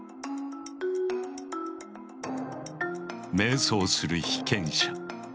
迷走する被験者。